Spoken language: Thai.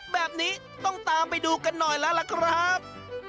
แบบนี้ต้องตามไปดูกันหน่อยแล้วล่ะครับ